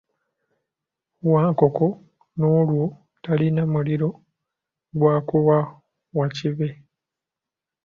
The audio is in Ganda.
Wankoko ng'olwo talina muliro gwa kuwa Wakibe.